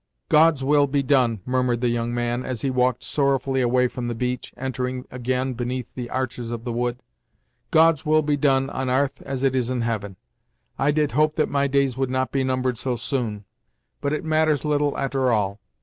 "God's will be done!" murmured the young man, as he walked sorrowfully away from the beach, entering again beneath the arches of the wood. "God's will be done, on 'arth as it is in heaven! I did hope that my days would not be numbered so soon, but it matters little a'ter all.